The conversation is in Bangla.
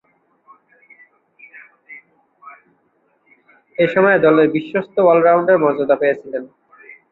এ সময়ে দলের বিশ্বস্ত অল-রাউন্ডারের মর্যাদা পেয়েছিলেন।